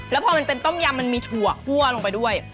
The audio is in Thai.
แล้วพอมันเป็นต้มยำมันมีถั่วคั่วลงไปด้วย